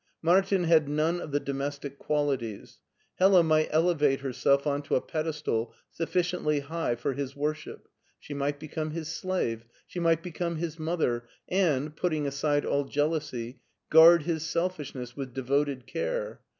Martin had none of the domestic qualities. Hella might elevate herself on to a pedestal sufficiently high for his worship, she might become his slave, she might become his mother, and, putting aside all jealousy, guard his selfishness with devoted care.